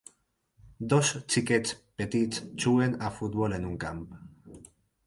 Dos nens petits juguen a futbol en un camp.